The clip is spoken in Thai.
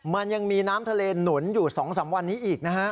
มันยังมีน้ำทะเลหนุนอยู่๒๓วันนี้อีกนะฮะ